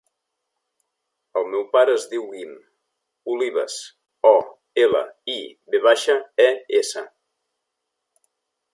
El meu pare es diu Guim Olives: o, ela, i, ve baixa, e, essa.